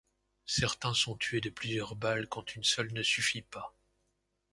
Certains sont tués de plusieurs balles quand une seule ne suffit pas.